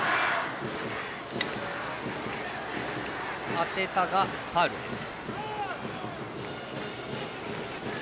当てたがファウルです。